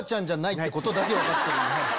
ってことだけ分かってる。